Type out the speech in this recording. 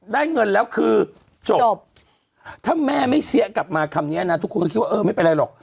ได้เงินแล้วคือจบถ้าแม่ไม่เสียกลับมาคำนี้นะทุกคนก็คิดว่าเออไม่เป็นไรหรอก